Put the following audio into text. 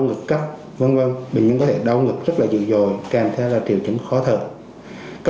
như vậy chúng ta sẽ có cần điều trị không ạ